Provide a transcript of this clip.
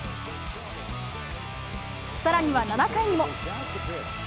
さらには７回にも。